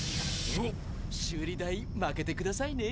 修理代まけてくださいね。